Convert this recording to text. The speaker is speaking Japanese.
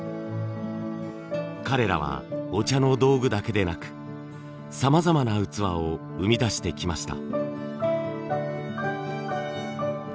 彼らはお茶の道具だけでなくさまざまな器を生み出してきました。